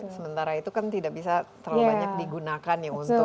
sementara itu kan tidak bisa terlalu banyak digunakan ya untuk